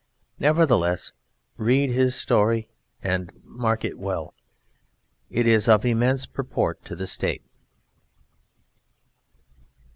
Nevertheless read his story and mark it well. It is of immense purport to the State.